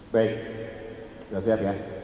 baik sudah siap ya